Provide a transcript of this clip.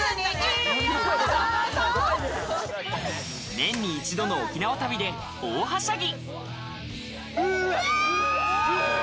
年に一度の沖縄旅で大はしゃぎ。